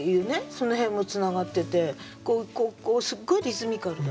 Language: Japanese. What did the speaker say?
その辺もつながっててすっごいリズミカルだった。